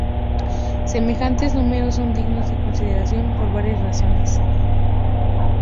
Semejantes números son dignos de consideración por varias razones.